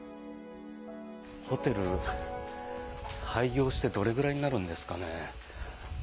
ホテル、廃業してどれぐらいになるんですかね。